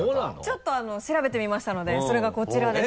ちょっと調べてみましたのでそれがこちらです。